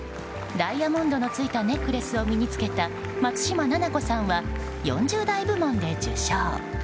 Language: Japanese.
ダイヤモンドのついたネックレスを身に付けた松嶋菜々子さんは４０代部門で受賞。